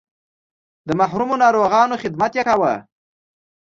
د محرومو ناروغانو خدمت یې کاوه.